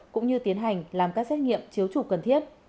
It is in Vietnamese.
cũng như tiến hành làm các xét nghiệm chiếu chụp cần thiết